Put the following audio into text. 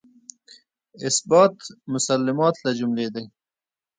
اثبات مسلمات له جملې دی.